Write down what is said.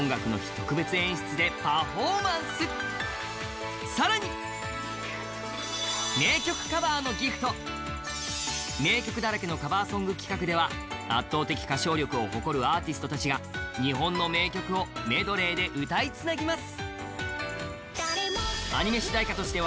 特別演出でパフォーマンスさらに名曲だらけのカバーソング企画では圧倒的歌唱力を誇るアーティストたちが日本の名曲をメドレーで歌いつなぎます